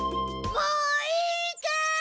もういいかい？